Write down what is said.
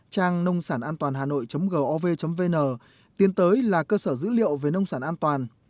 trang nongsanantoanhanoi gov vn tiến tới là cơ sở dữ liệu về nông sản an toàn